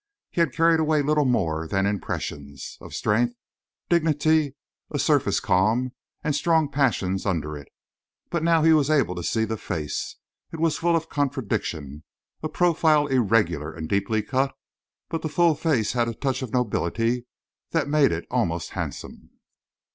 He had carried away little more than impressions; of strength, dignity, a surface calm and strong passions under it; but now he was able to see the face. It was full of contradiction; a profile irregular and deeply cut, but the full face had a touch of nobility that made it almost handsome.